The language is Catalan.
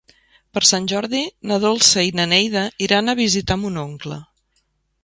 Per Sant Jordi na Dolça i na Neida iran a visitar mon oncle.